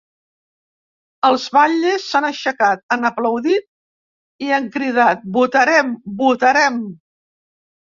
Els batlles s’han aixecat, han aplaudit i han cridat ‘Votarem, votarem’.